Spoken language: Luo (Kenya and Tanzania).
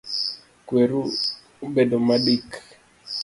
Kweru obedo madik